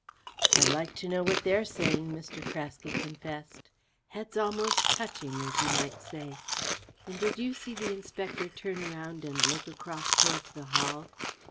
"I'd like to know what they're saying," Mr. Craske confessed. "Heads almost touching, as you might say. And did you see the Inspector turn around and look across towards the Hall?"